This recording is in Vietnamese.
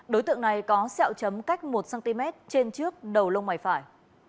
đối tượng này có sẹo chấm cách một cm trên trước đầu lông mày phải